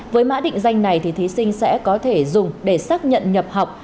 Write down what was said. với mã định danh này thì thí sinh sẽ có thể dùng để xác nhận nhập học